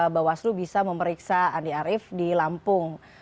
bawaslu bisa memeriksa andi arief di lampung